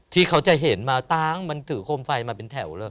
ที่เขาจะเห็นมาตั้งมันถือโคมไฟมาเป็นแถวเลย